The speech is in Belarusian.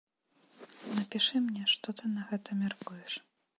Напішы мне, што ты на гэта мяркуеш.